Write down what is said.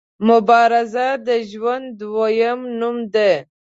مبارزه د ژوند دویم نوم دی.